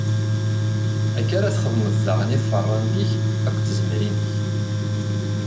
Akka ara txedmeḍ daɣen i tfeṛṛant-ik akked tzemmrin-ik.